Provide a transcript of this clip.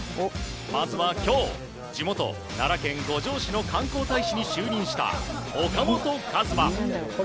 まずは今日地元・奈良県五條市の観光大使に就任した岡本和真。